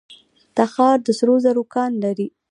تخار د سرو زرو کان لري